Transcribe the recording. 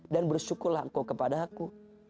dan bersyukurlah engkau kepada aku